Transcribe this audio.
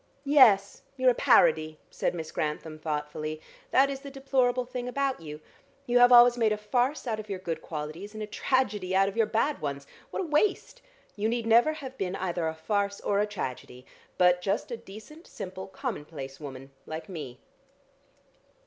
"Yes; you're a parody," said Miss Grantham thoughtfully. "That is the deplorable thing about you. You have always made a farce out of your good qualities, and a tragedy out of your bad ones. What a waste! You need never have been either a farce or a tragedy, but just a decent, simple, commonplace woman like me."